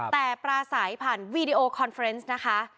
แต่ปราศัยผ่านวีดีโอคอนเฟรนซ์นะคะ